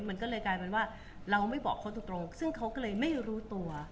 มันก็เลยกลายเป็นว่าเราไม่บอกเขาตรงซึ่งเขาก็เลยไม่รู้ตัว